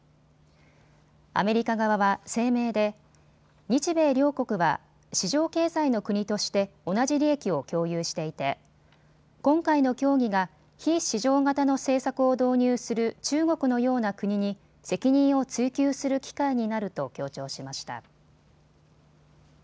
アメリカ側は声明で日米両国は市場経済の国として同じ利益を共有していて今回の協議が非市場型の政策を導入する中国のような国に責任を追及する機会になると強調しました。